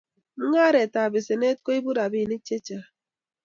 mung'aretab besenet ko ibu robinik che cahng'